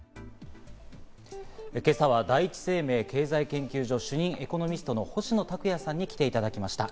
今朝は第一生命経済研究所、主任エコノミストの星野卓也さんに来ていただきました。